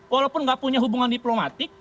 walaupun nggak punya hubungan diplomatik